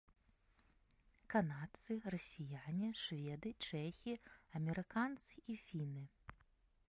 Канадцы, расіяне, шведы, чэхі, амерыканцы і фіны.